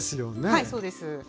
はいそうです。